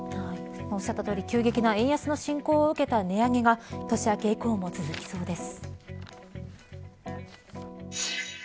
おっしゃったとおり急激な円安の進行を受けた値上げが年明け以降も続きそうです。